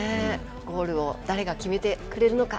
ゴールを誰が決めてくれるのか。